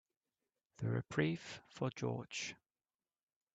The reprieve for George.